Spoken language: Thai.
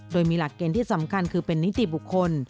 โดยมีหลักเกณฑ์ที่สำคัญคือเป็นนิติบุคคล